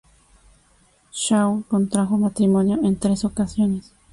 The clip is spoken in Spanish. Shaw contrajo matrimonio en tres ocasiones.